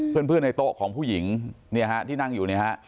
เพื่อนในโต๊ะของผู้หญิงที่นั่งอยู่นะฮะ